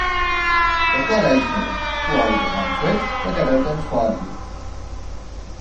ეხლა რა იქნება, თუ ავიღებ ამ სვეტს და გადავიტან სხვა ადგილას.